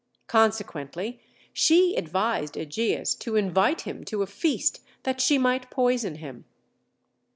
Consequently she advised Ægeus to invite him to a feast, that she might poison him.